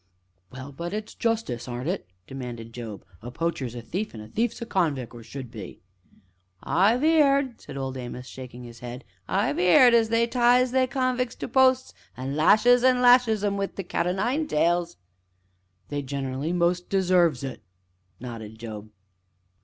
"Well, but it's Justice, aren't it?" demanded Job "a poacher's a thief, an' a thief's a convic' or should be!" "I've 'eerd," said Old Amos, shaking his head, "I've 'eerd as they ties they convic's up to posts, an' lashes an' lashes 'em wi' the cat o' nine tails!" "They generally mostly deserves it!" nodded Job.